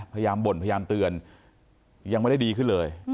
บ่นพยายามเตือนยังไม่ได้ดีขึ้นเลย